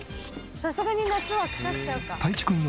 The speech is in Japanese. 「さすがに夏は腐っちゃうか」